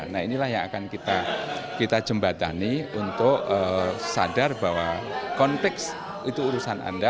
nah inilah yang akan kita jembatani untuk sadar bahwa konteks itu urusan anda